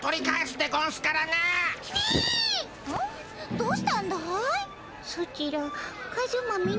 どうしたんだい？